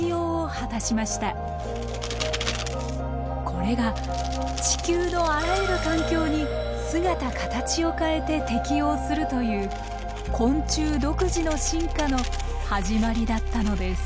これが地球のあらゆる環境に姿形を変えて適応するという昆虫独自の進化の始まりだったのです。